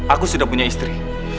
aku sudah punya istri